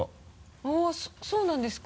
おっそうなんですか？